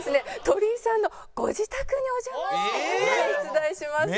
鳥居さんのご自宅にお邪魔して出題します。